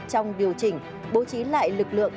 trong điều chỉnh bố trí lại lực lượng